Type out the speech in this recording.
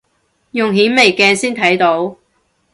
用顯微鏡先睇到